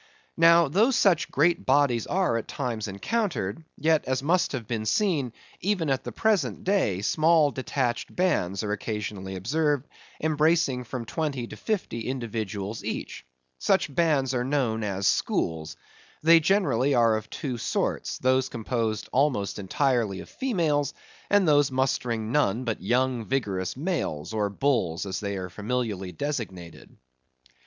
Now, though such great bodies are at times encountered, yet, as must have been seen, even at the present day, small detached bands are occasionally observed, embracing from twenty to fifty individuals each. Such bands are known as schools. They generally are of two sorts; those composed almost entirely of females, and those mustering none but young vigorous males, or bulls, as they are familiarly designated.